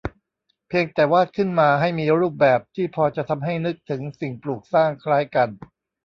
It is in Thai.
เพียงแต่วาดขึ้นมาให้มีรูปแบบที่พอจะทำให้นึกถึงสิ่งปลูกสร้างคล้ายกัน